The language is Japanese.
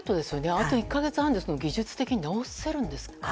あと１か月半ですが技術的に直せるんですか？